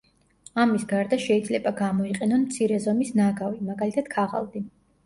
ამის გარდა შეიძლება გამოიყენონ მცირე ზომის ნაგავი, მაგალითად ქაღალდი.